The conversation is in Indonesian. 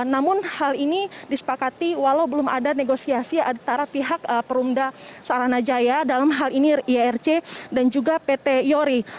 namun hal ini disepakati walau belum ada negosiasi antara pihak perumda saranajaya dalam hal ini iarc dan juga pt yori